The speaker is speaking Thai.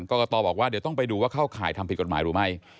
กรกตบอกว่าเดี๋ยวต้องไปดูว่าเข้าข่ายทำผิดกฎหมายหรือไม่